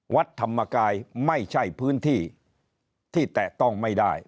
วัดธรรมกายไม่ใช่พื้นที่ที่แตะต้องไม่ได้